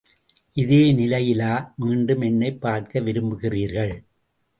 இதே நிலைமையிலா மீண்டும் என்னைப் பார்க்க விரும்புகிறீர்கள்?